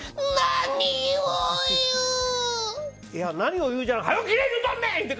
いや、何を言うじゃなくてって。